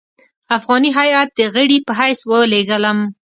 افغاني هیات د غړي په حیث ولېږلم.